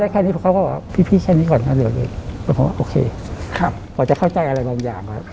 เพราะมีคนมาทำร้าย